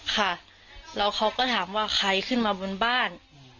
ค่ะแล้วเขาก็ถามว่าใครขึ้นมาบนบ้าน